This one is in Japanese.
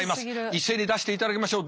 一斉に出していただきましょう。